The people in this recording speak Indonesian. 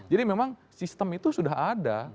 jadi memang sistem itu sudah ada